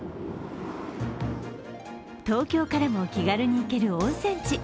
東京からも気軽に行ける温泉地